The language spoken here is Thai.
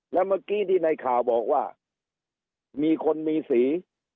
แล้วเมื่อกี้ที่ในข่าวบอกว่ามีคนมีสี